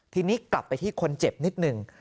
ทีนี้กลับไปที่คนเจ็บนิดหนึ่ง